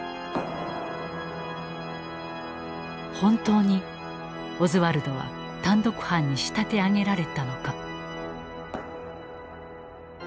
本当にオズワルドは単独犯に仕立て上げられたのか。